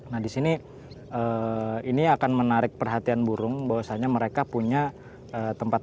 nah di sini ini akan menarik perhatian burung bahwasannya mereka punya tempat